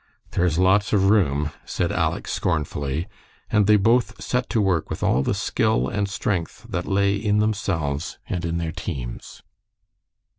"There's lots of room," said Aleck, scornfully, and they both set to work with all the skill and strength that lay in themselves and in their teams.